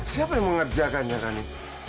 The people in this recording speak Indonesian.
siapa yang mengerjakan ya kani